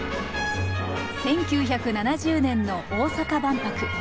１９７０年の大阪万博。